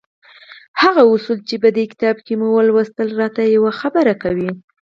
هغه اصول چې په دې کتاب کې مو ولوستل را ته يوه خبره کوي.